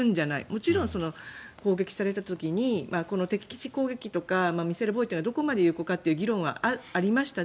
もちろん攻撃された時に敵基地攻撃とかミサイル防衛というのがどこまで有効かというのは議論はありました。